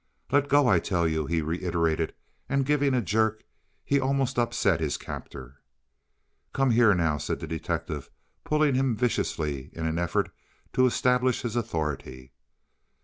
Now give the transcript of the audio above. "Let go, I tell you," he reiterated, and giving a jerk, he almost upset his captor. "Come here now," said the detective, pulling him viciously in an effort to establish his authority.